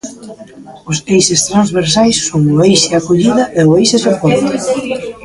Os eixes transversais son o eixe acollida e o eixe soporte.